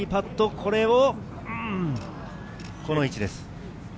これがこの位置です。